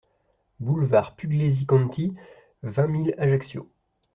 Boulevard Pugliesi Conti, vingt mille Ajaccio